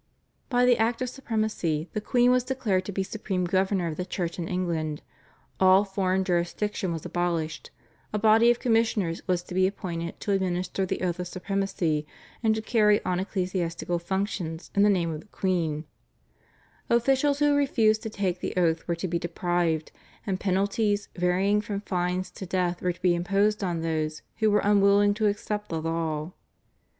By the Act of Supremacy the queen was declared to be supreme governor of the Church in England; all foreign jurisdiction was abolished; a body of commissioners was to be appointed to administer the oath of supremacy and to carry on ecclesiastical functions in the name of the queen; officials who refused to take the oath were to be deprived, and penalties varying from fines to death were to be imposed on those who were unwilling to accept the law.